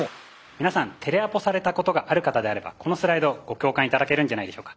皆さんテレアポされたことがある方であればこのスライドご共感頂けるんじゃないでしょうか。